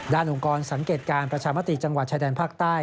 องค์กรสังเกตการประชามติจังหวัดชายแดนภาคใต้